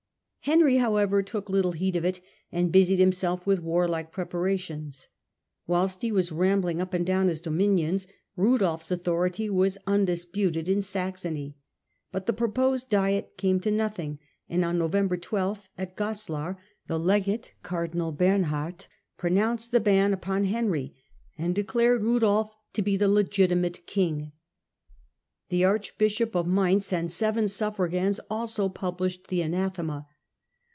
Henry, however, took little heed of it, and busied himself with warlike pre The pope's para*ioii8« Whilst he was rambling up and ^^ down his dominions, Rudolfs authority was Rudolf king undisputed in Saxony ; but the proposed diet came to nothing, and on November 12, at Goslar, the legate, cardinal Bemhard, pronounced the ban upon Henry, and declared Rudolf to be the legitimate king. The archbishop of Mainz and seven suffragans also published the anathema.